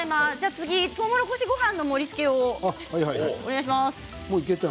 とうもろこしごはんの盛りつけをお願いします。